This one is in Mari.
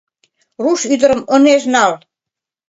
Руш ӱдырым ынеж нал...